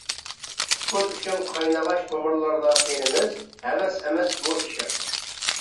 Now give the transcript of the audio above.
پۇتبول ئۈچۈن قاينىغاچ تومۇرلاردا قىنىمىز، ھەۋەس ئەمەس بۇ ئىشق!